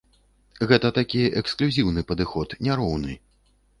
Гэта такі эксклюзіўны падыход, няроўны!